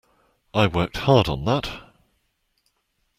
I worked hard on that!